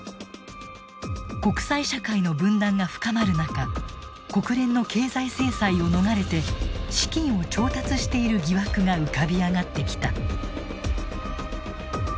国際社会の分断が深まる中国連の経済制裁を逃れて資金を調達している疑惑が浮かび上がってきた。